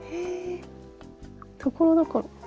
ところどころ。